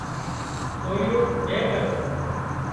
سوريون نين ڪرُون